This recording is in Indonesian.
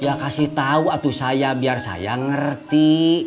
ya kasih tahu atuh saya biar saya ngerti